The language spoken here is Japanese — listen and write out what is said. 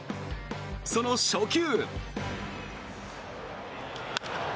その初球。